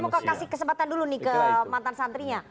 saya mau kasih kesempatan dulu nih ke mantan santrinya